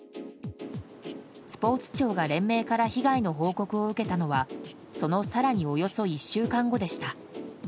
スポーツ庁が連盟から被害の報告を受けたのはその更におよそ１週間後でした。